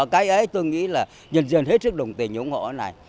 cái ấy tôi nghĩ là dần dần hết sức đồng tiền ủng hộ ở này